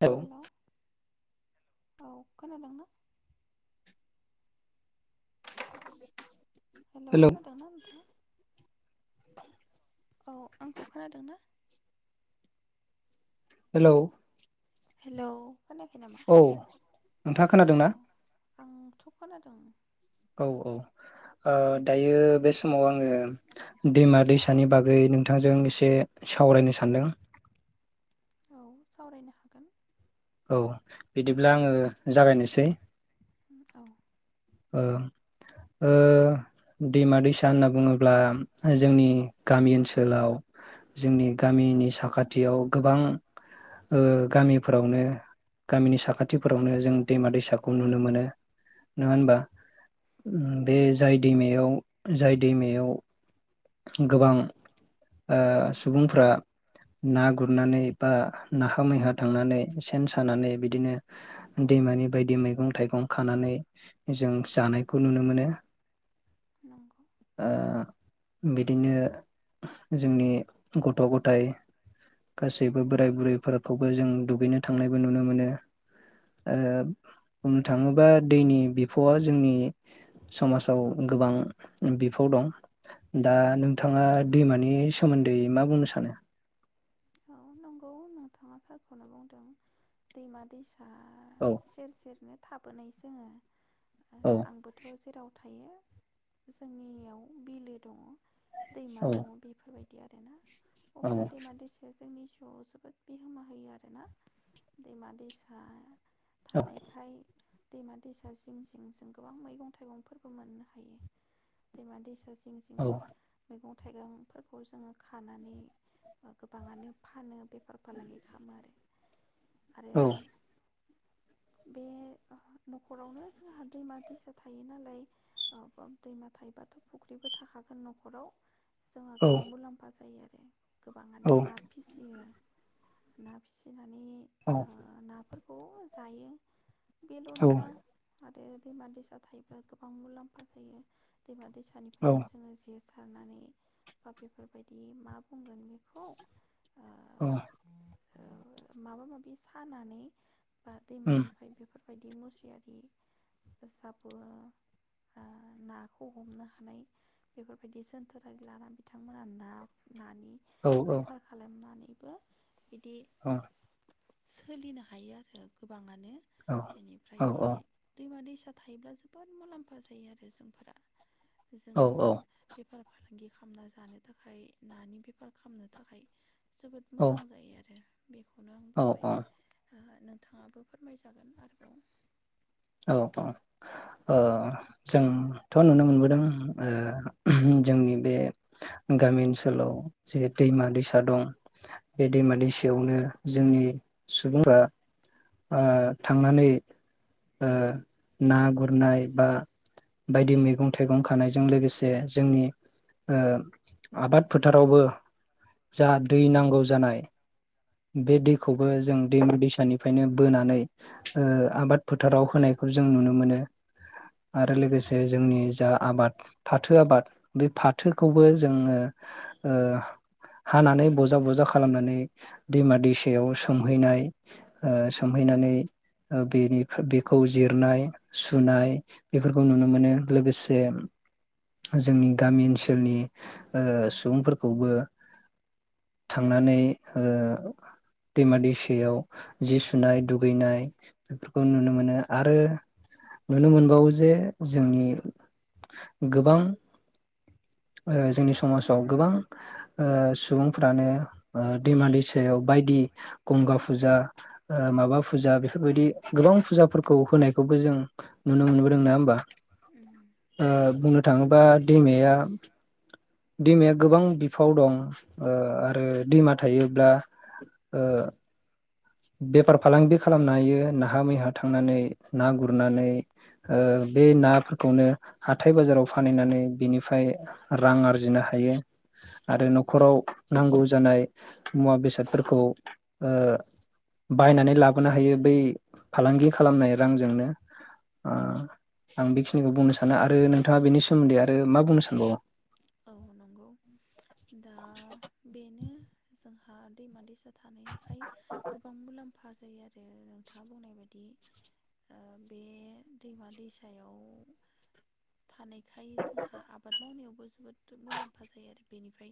औ। हेलौ औ खोनादों ना? हेल' हेलौ खोनादों ना नोंथां? औ आंखौ खोनादों ना? हेलौ। हेल'। औ नोंथाङा खोनादों औ ना? आंथ' खोनादों। औ औ। ओ दे दायो बेस समाव आङो दैमा दैसानि बागै नोंथांजों एसे सावरायनो सानदों। औ सावरायनो हागोन। औ बिदिब्ला आङो जागायनोसै औ। ओ ओ दैमा दैसा होनना बुङोब्ला जोंनि गामि ओनसोलाव जोंनि गामिनि साखाथियाव गोबां ओ गामिफोरावनो गामिनि साखाथिफोरावनो जों दैमा दैसाखौ नुनो मोनो नङा होनबा? [inaudible] बे नंगौ जाय दैमायाव जाय दैमायाव गोबां ओ सुबुंफ्रा ना गुरनानै बा नाहा मैहा थांनानै सेन सानानै बिदिनो दैमानि बायदि मैगं थाइगं खानानै जों जानायखौ नुनो मोनो। नंगौ आ बिदिनो जोंनि गथ' गथाय गासैबो बोराय बुरैफोरखौबो जों दुगैनो थांनायबो नुनो मोनो ओ बुंनो थाङोबा दैनि बिफावआ जोंनि समाजाव गोबां बिफाव दं। दा नोंथाङा दैमानि सोमोन्दै मा बुंनो सानो? औ नंगौ नोंथाङा थारखौनो बुंदों दैमा दैसा औ सेर सेरनो थाबोनाय जोङो औ आंबोथ' जेराव थ थायो जोंनियाव बिलो दङ। दैमा औ दङ बेफोरबायदि बिदि आरोना। औ अब्ला दैमा दैसा जोंनि जिउआव जोबोद बिहोमा होयो आरोना दैमा दैसा थानायखाय दैमा दैसा जिं जिं जों गोबां मैगं थाइगंफोरबो मोननो हायो दैमा दैसा जिं जिं औ मैगं थाइगंफोरखौ जोङो खानानै गोबाङानो फानो बेफार फालांगि खालामो आरो औ आरो बे न'खरावनो जोंहा दैमा दैसा थायो नालाय दैमा थायोबाथ' फुख्रिबो थाखागोन न'खराव जोंहा औ गोबां मुलाम्फा जायो आरो औ गोबाङानो ना फिसियो ना फिसिनाय खौ जायो बेल' औ नङा आरो दैमा दैसा थायोब्ला गोबां मुलाम्फा जायो दैमा दैसा औ निफ्रायनो जोङो जेस सारनानै बा बेफोरबायदि मा बुंगोन बे खौ औ माबा माबि सानानै बा उम दैमानिफ्राय बेफोर बे बदि मुसियारिसाबो नाखौ हमनो हानाय बेफोरबायदि जोनथोरारि लानानै बिथांमोना ना-नानि औ बेफार खालामनानै बिदि सोलिनो हायो आरो गोबाङानो औ बिनिफ्राय दैमा दैसा फिसा थायोब्ला जोबोद मुलाम्फा जायो आरो जोंफोरा जों बेफार फा लांगि खालामना जानो थाखाय नानि बेफार खामनो जोबोद मोजां जायो आरो बेखौ औ औ नोंथाङाबो फोरमायजागोन आरोबाव औ औ ओ जोंथ' नुनो मोनबोदों जोंनि बे गामि ओनसोलाव जेरै दैमा दैसा दं बे दैमा दैसायावनो जोंनि सुबुंफ्रा ओ‌ थांनानै ओ ना गुरनाय बा बायदि मैगं थाइगं खानायजों लोगोसे जोंनि ओ आबाद फोथारावबो जा दै नांगौ जानाय बे दैखौबो जों दैम दैसानिफ्रायनो बोनानै आबाद फोथाराव होनायखौ जों नुनो मोनो आरो उम लोगोसे जोंनि जा आबाद फाथो आबाद बे फाथोखौबो जोङो ओ‌ हानानै बजा बजा खालामनानै दैमा दैसायाव सोमहैनाय ओ उम सोमहैनानै ओ बेनि बेखौ जिरनाय सुनाय बेफोरखौ नुनो मोनो लोगोसे जोंनि गामि ओनसोलनि ओ‌ सुबुंफोरखौबो थांनानै दैमा दैसायाव जि सुनाय दुगैनाय बेफोरखौ नुनो मोनो आरो नुनो मोनबावो जे जोंनि गोबां ओ जोंनि समाजाव ओ गोबां सुबुंफ्रानो दैमा दैसा याव बायदि गंगा फुजा माबा फुजा बेफोरबायदि गोबां फुजाफोरखौ होनायखौबो जों नुनो मोनबोदों नङा होमबा उम आ बुंनो थाङोबा दैमाया दैमाया गोबां बिफाव दं आरो दैमा थायोब्ला‌ ओ बेफार फालांगि खालामनो हायो नाहा-मैहा थांनानै ना गुरनानै ओ बे नाफोरखौनो हाथाय बाजाराव फानहैनानै बिनिफ्राय रां आरजिनो हायो आरो न'खराव नांगौ जानाय मुवा बेसादफोरखौ ओ बायनानै लाबोनो हायो बै फालांगि खालामनाय रांजोंनो ओ आं बेखिनिखौ बुंनो सानो आरो नोंथाङा बेनि सोमोन्दै आरो मा बुंनो सानबावो औ नंगौ दा बेनो जों हा दैमा-दैसा थानायखाय गोबां मुलाम्फा फा जायो आरो नोंथाङा बुंनाय बायदि बे दैमा दैसायाव थानायखाय जोंहा आबाद मावनायाव जोबोद मुलाम्फा जायो आरो बेनिफ्राय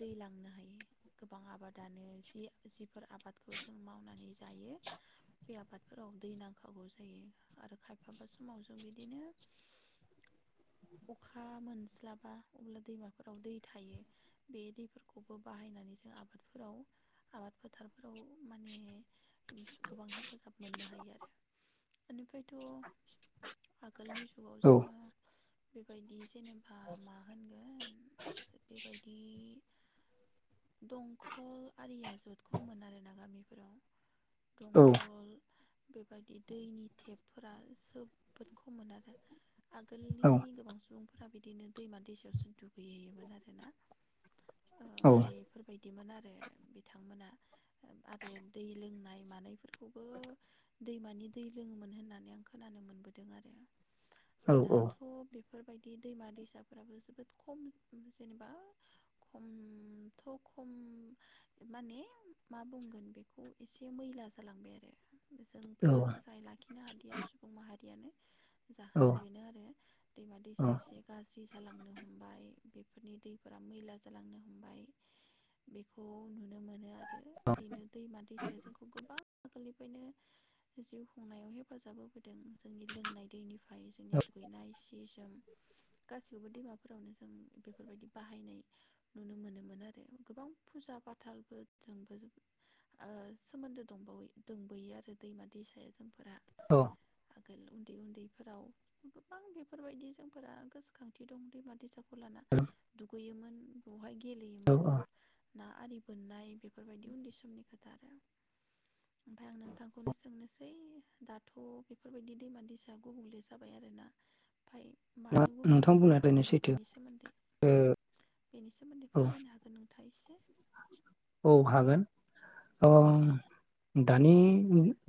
दै लांनो हायो गोबां आबादानो जि-जिफोर आबादखौ जों मावनानै जायो बे आबादफोराव दै नांखागौ जायो आरो खायफाबा समाव जों बिदिनो अखा मोनस्लाबा अब्ला दैमाफोराव दै थायो बे दैफोरखौबो बाहायनानै जों आबादफोराव आबाद फोथारफोराव माने गोबां हेफाजाब मोननो हायो आरो बेनिफ्रायथ' आगोलनि जुगाव औ जोङो बेबायदि जेनेबा मा‌ होनगोन बेबायदि दंखल आरिया जतखौ मोन आरोना गामिफोराव। औ दंखल। बेबायदि दैनि टेपफोरा जोबोद खममोन आरो आगो औ। सुबुंफोरा बिदिनो दैमा दैसा यावसो दुगैहैयोमोन आरोना। औ। बिदिमोन आरो बिथांमोना आरो दै लोंनाय मानायफोरखौबो दैमानि दै लोङोमोन होननानै आं खोनानो मोनबोदों आरो। औ दाथ' बे फोरबायदि दैमा दैसाफ्राबो जोब बोद खम जेनेबा खमथ' खम माने मा बुंगोन बेखौ एसे मैला जालांबाय आरो। औ जोंफोरनो मोजाङै लाखिनो हादिया सुबुं माहारियानो। औ जाहोना बेनो आरो दैमा दैसाया एसे गाज्रि जालांनो हमबाय बेफोरनि दैफोरा मैला जालांनो हमबाय बेखौ नुनो मोनो आ रो ओरैनो दैमा दैसाया जोंखौ गोबां। आगोलनिफायनो जिउ खुंनायाव हेफाजाब होबोदों जोंनि लोंनाय दैनि फाय जोंनि दुगैनाय सि गासिबो दैमा फोरावनो जों बेफोरबायदि बाहायनाय नुनो मोनोमोन आरो गोबां फुजा फाथालबो जोंबो ओ सोमोन्दो दंबावो दंबोयो आरो दैमा दैसाया जोंफोरा। औ आगोल उन्दै उन्दैफोराव गोबां बेफोरबायदि जोंफोरा गोसोखांथि दं। दैमा दैसा खौलाना दु दुैगैयोमोन बवहाय, औ गेलेयोमोन। औ ना आरि बोननाय बेफोरबायदि उन्दै समनि खोथा आरो। ओमफाय आं नोंथांखौनो सोंनोसै दाथ' बेफोरबायदि दैमा दैसा गुबुंले जाबाय आरोना ओमफाय मानो नोंथां गुबुंले जा बुंनाया खो थारैनो सैथो बेनि सोमोन्दै बेनि सोमोन्दै औ फोरमायनो हागोन नों थाइसे? औ हागोन औ दानि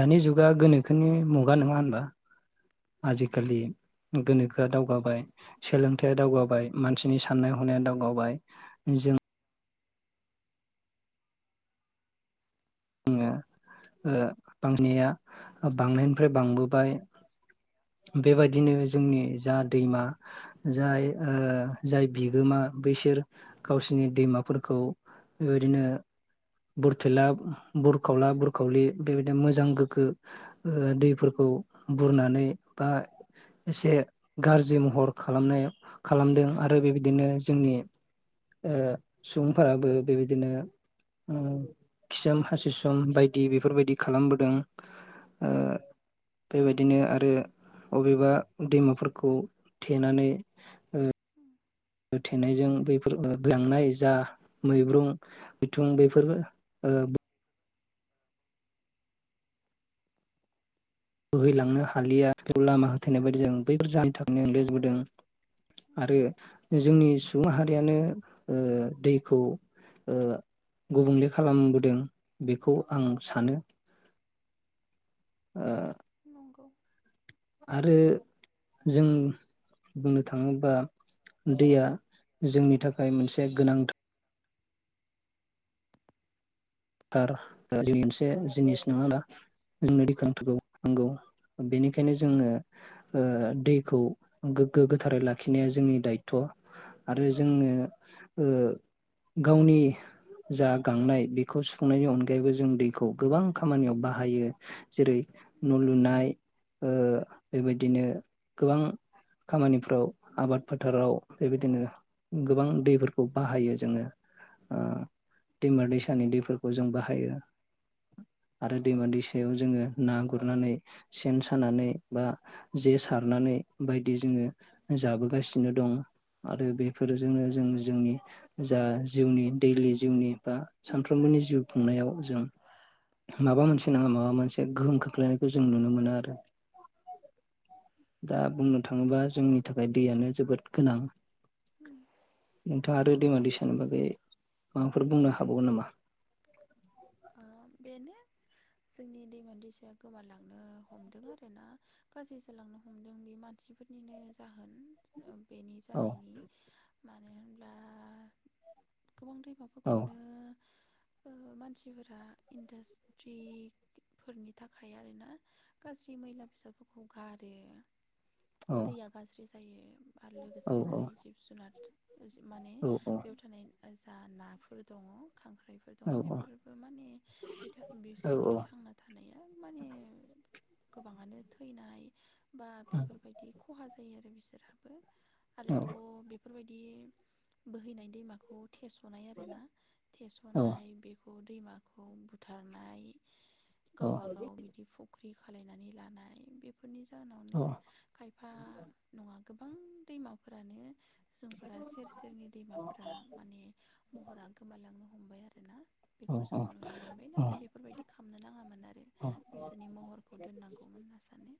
दानि जुगा गोनोखोनि मुगा नोङा होनबा? उम आजिखालि गोनोखोआ दावगाबाय सोलोंथाइया दावगाबाय मानसिनि साननाय हनाया दावगाबाय जों ओ बांनाया ओ बांनायनिफ्राय बांबोबाय बेबायदिनो जोंनि जा दैमा जाय ओ जाय बिगोमा बैसोर गावसिनि दैमाफोरखौ बेबायदिनो बुरथेला बुरखावला बुरखावलि बेबायदिनो मोजां गोग्गो ओ दैफोरखौ बुरनानै बा एसे गाज्रि महर खालामनाय खालामदों आरो बेबायदिनो जोंनि ओ सुबुंफोराबो बेबायदिनो ओ खिसोम हासुसोम बायदि बेफोरबायदि खालामबोदों ओ बेबायदिनो आरो अबेबा दैमाफोरखौ थेनानै ओ उम ओ थेनायजों बेफोर ओ लांनाय जा उम मैब्रुं बिथुं बेफोरबो ओ बोहैलांनो हालिया बेयाव लामा होथैनाय बायदि जों बैफोर जाहोननि थाखायनो [unintelligible] बोदों आरो जोंनि सुबुं माहारियानो ओ दैखौ ओ गुबुंले खालामबोदों। बेखौ उम आं सानो। ओ नंगौ। आरो जों बुंनो थांङोबा दैया जोंनि थाखाय मोनसे गोनां थार जोंनि मोनसे जिनिस नंङा होनबा? जोंनो दैखौ नांथारगौ। उम नांगौ बेनिखायनो उम जोंनो ओ दैखौ गोग्गो गोथारै लाखिनाया जोंनि दायथ' आरो जोंङो ओ गावनि जा गांनाय बे खौ सुखुंनायनि अनगायैबो जों दैखौ गोबां खामानियाव बाहायो। जेरै न'लुनाय ओ बेबायदिनो गोबां खामानिफ्राव आबाद फोथाराव बेबायदिनो गोबां दैफोरखौ बाहायो जोंङो। ओ दैमा दैसानि दै फोरखौ जों बाहायो। आरो दैमा नंगौ दैसायाव जोंङो ना गुरनानै सेन सानानै बा जे सारनानै बायदि जोंङो जाबोगासिनो दं। आरो बेफोरजोंनो जों जोंनि जा जिउनि दैलि जिउनि बा सान फ्रोमबोनि जिउ खुंनायाव जों माबा मोनसे नंङा माबा मोनसे गोहोम खोख्लैनायखौ जों नुनो मोनो आरो। दा बुंनो थांङोबा जोंनि थाखाय दैयानो जोबोद गोनां‌ उम नोंथांङा आरो दैमा दै सानि बागै माबाफोर बुंनो हाबावगोन नामा? [inaudible] बेनो जोंनि दैमा दैसाया गोमालांनो हमदों आरो ना गाज्रि जालांनो हमदों बे मानसिफोरनिनो जाहोन बेनि औ जानायनि मानो होनब्ला गोबां औ दैमाफोरखौनो ओ मानसि मानसिफोरा इन्डास्ट्रि फोरनि थाखाय आर ना गासै मैला बेसादफोरखौ गारो औ दैया गाज्रि जायो आरो औ लोगोसे बेयाव औ थानाय जिब जुनार माने औ औ बेयाव थानाय जा नाफोर दंङ खांख्राइफोर दं औ औ बेफोर माने बिसोरनि औ औ थांना थानाया माने गोबांङानो थैनाय बा बेफोरबायदि खहा जायो आरो बिसोर राबो आरोथ बेफोरबायदि बोहैनाय दैमाखौ थेसनाय आरो ना औ थेसनाय बेखौ दैमाखौ बुथारनाय गावबागाव बिदि फुख खालायनानै लानाय बे बेफोरनि जाहोनावनो खायफा नङा गोबां दैमाफोरानो जोंफोरा सेर सेरनि दैमाफोरा माने महरा गोमालांनो हमबाय आ बेखौ जों नुनो मोनबाय नाथाय बेफोरबायदि खामनो नाङामोन आरो बिसोरनि महरखौ दोननांगौमोन होनना सानो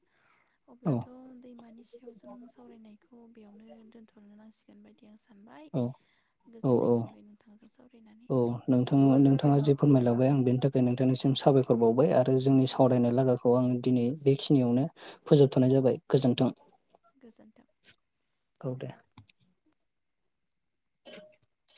अब्लाथ' दैमानि सायाव जों सावरायनायखौ बेयावनो दोन्थ'नो नांसिगोन बायदि आं सानबाय गोजोननाय मोनबाय नोंथांजों सावरायनानै नोंथां नोंथाङा जे फोरमायलायबाय आं बेनि थाखाय नोंथांनिसिम साबायखर बावबाय आरो जोंनि सावरायनाय लागाखौ आं दिनै बेखिनियावनो फोजोबथ'नाय जाबाय गोजोन्थों गोजोन्थों औ दे [inaudible]